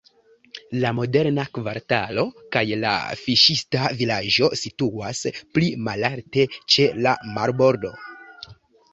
La moderna kvartalo kaj la fiŝista vilaĝo situas pli malalte, ĉe la marbordo.